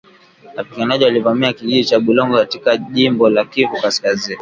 wapiganaji walivamia kijiji cha Bulongo katika jimbo la Kivu kaskazini